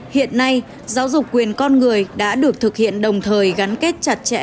hiện nay giáo dục quyền con người đã được thực hiện đồng thời gắn kết chặt chẽ